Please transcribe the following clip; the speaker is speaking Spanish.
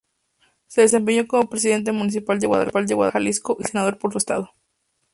Se desempeñó como presidente municipal de Guadalajara, Jalisco y senador por su estado.